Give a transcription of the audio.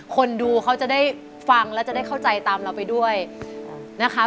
คนดูเขาจะได้ฟังแล้วจะได้เข้าใจตามเราไปด้วยนะคะ